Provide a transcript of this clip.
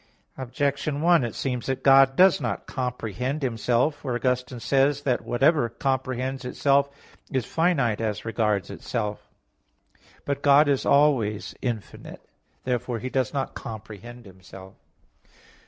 Objection 1: It seems that God does not comprehend Himself. For Augustine says (Octog. Tri. Quaest. xv), that "whatever comprehends itself is finite as regards itself." But God is in all ways infinite. Therefore He does not comprehend Himself.